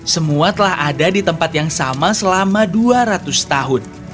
semua telah ada di tempat yang sama selama dua ratus tahun